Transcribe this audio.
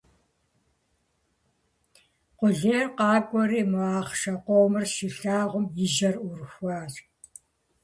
Къулейр къакӀуэри мо ахъшэ къомыр щилъагъум и жьэр Ӏурыхуащ.